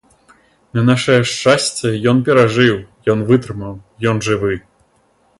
На нашае шчасце, ён перажыў, ён вытрымаў, ён жывы.